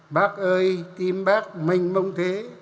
bác ơi tim bác manh mông thế